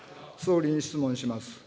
総理に質問します。